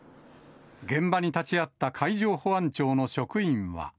現場に立ち会った海上保安庁の職員は。